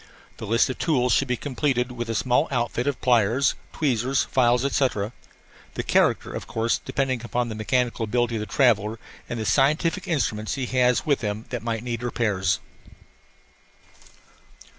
The list of tools should be completed with a small outfit of pliers, tweezers, files, etc. the character, of course, depending upon the mechanical ability of the traveller and the scientific instruments he has with him that might need repairs.